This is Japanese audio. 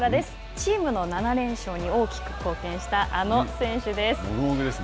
チームの７連勝に大きく貢献したあの選手です。